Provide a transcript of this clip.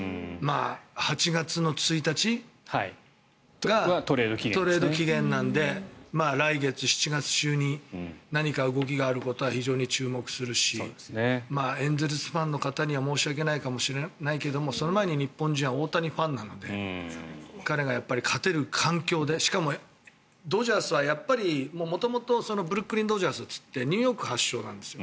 ８月１日がトレード期限なので来月７月中に何か動きがあることは非常に注目するしエンゼルスファンの方には申し訳ないかもしれないけどその前に日本人は大谷ファンなので彼が勝てる環境でしかもドジャースは元々、ブルックリン・ドジャースっていってニューヨーク発祥なんですよ。